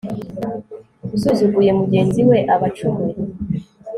usuzuguye mugenzi we aba acumuye